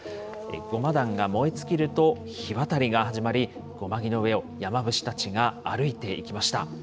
護摩壇が燃え尽きると火渡りが始まり、護摩木の上を山伏たちが歩いていきました。